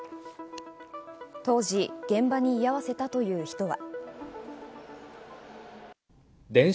当時、現場に居合わせたという人は。